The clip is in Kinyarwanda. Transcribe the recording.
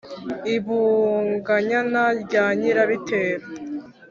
I Bunganyana rya Nyirabitero